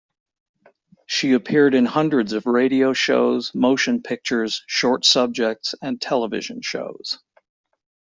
She appeared in hundreds of radio shows, motion pictures, short subjects, and television shows.